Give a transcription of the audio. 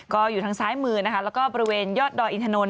ก็อยู่ทางซ้ายมือนะคะแล้วก็บริเวณยอดดอยอินทนนท